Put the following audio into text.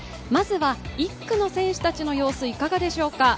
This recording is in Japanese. まずは１区の選手たちの様子、いかがでしょうか。